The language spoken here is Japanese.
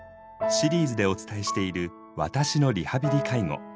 シリーズでお伝えしている「私のリハビリ・介護」。